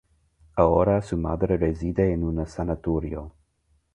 Ahora, su madre reside en un sanatorio.